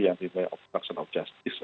yang diberi of justice